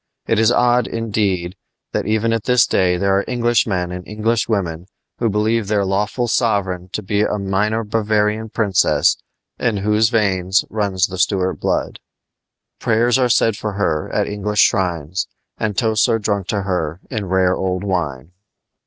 It is odd, indeed, that even at this day there are Englishmen and Englishwomen who believe their lawful sovereign to be a minor Bavarian princess in whose veins there runs the Stuart blood. Prayers are said for her at English shrines, and toasts are drunk to her in rare old wine.